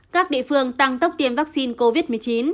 các địa phương tăng tốc tiêm vaccine covid một mươi chín